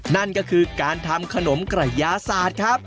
นั่นก็คือการทำขนมกระยาศาสตร์ครับ